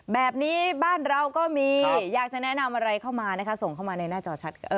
แบบนี้บ้านเราก็มีอยากจะแนะนำอะไรเข้ามานะคะส่งเข้ามาในหน้าจอชัด